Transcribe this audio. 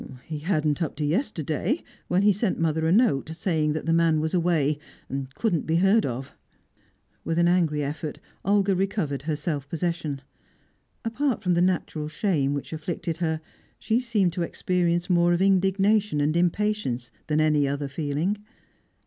"He hadn't up to yesterday, when he sent mother a note, saying that the man was away, and couldn't be heard of." With an angry effort Olga recovered her self possession. Apart from the natural shame which afflicted her, she seemed to experience more of indignation and impatience than any other feeling.